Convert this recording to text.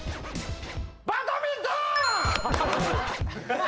バドミントン！